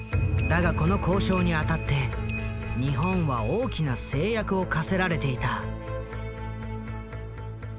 だがこの交渉にあたって日本は大きな制約を課せられていた。